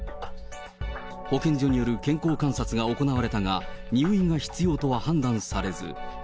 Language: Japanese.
保健所による健康観察が行われたが、入院が必要とは判断されず。